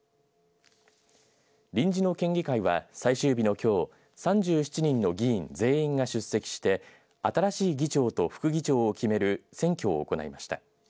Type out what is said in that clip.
臨時の県議会は最終日のきょう３７人の議員全員が出席して新しい議長と副議長を決める選挙を行いました。